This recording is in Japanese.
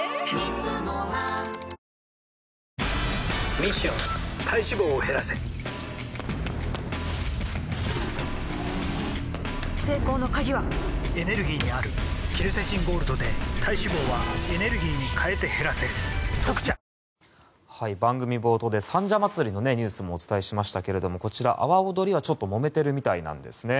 ミッション体脂肪を減らせ成功の鍵はエネルギーにあるケルセチンゴールドで体脂肪はエネルギーに変えて減らせ「特茶」番組冒頭で三社祭のニュースもお伝えしましたが阿波おどりは、ちょっともめてるみたいなんですね。